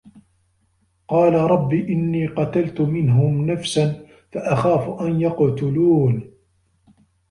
قالَ رَبِّ إِنّي قَتَلتُ مِنهُم نَفسًا فَأَخافُ أَن يَقتُلونِ